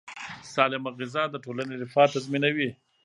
سالمه غذا د ټولنې رفاه تضمینوي.